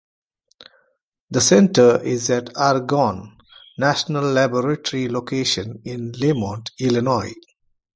The Center is at Argonne National Laboratory location in Lemont, Illinois.